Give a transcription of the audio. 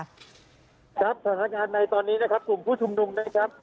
ครับครับสถานการณ์ในตอนนี้นะครับกลุ่มผู้ชุมนุมนะครับ